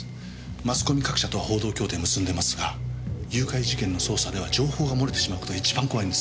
マスコミ各社とは報道協定結んでますが誘拐事件の捜査では情報が漏れてしまう事が一番怖いんです。